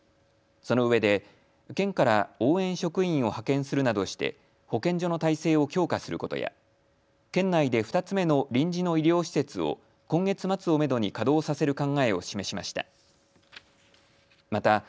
そのうえで県から応援職員を派遣するなどして保健所の態勢を強化することや県内で２つ目の臨時の医療施設を今月末をめどに稼働させる考えを示しました。